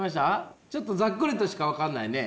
ちょっとざっくりとしか分かんないね。